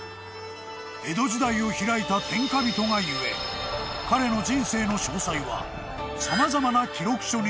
［江戸時代を開いた天下人が故彼の人生の詳細は様々な記録書につづられている］